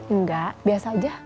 enggak biasa aja